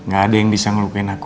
gak ada yang bisa ngelukin aku